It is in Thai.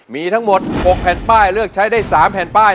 มีทั้งหมด๖แผ่นป้ายเลือกใช้ได้๓แผ่นป้าย